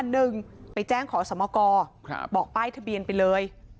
หนึ่งไปแจ้งขอสมกรบอกป้ายทะเบียนไปเลย